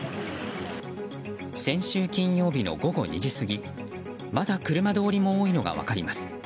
先週金曜日の午後２時過ぎまだ車通りが多いのが分かります。